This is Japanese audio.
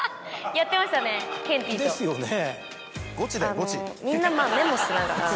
やってましたねケンティーと。ですよね。